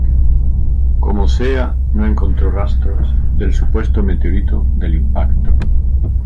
Como sea no encontró rastros del supuesto meteorito del impacto.